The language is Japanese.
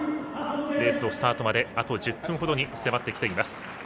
レースのスタートまであと１０分ほどに迫ってきています。